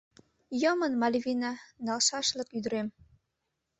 Йомын Мальвина налшашлык ӱдырем...